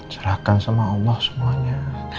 serahkan sama allah semuanya